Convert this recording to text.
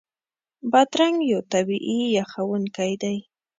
بادرنګ یو طبعي یخونکی دی.